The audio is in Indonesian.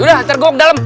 udah hantar gue ke dalam